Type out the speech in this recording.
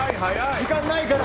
時間ないから。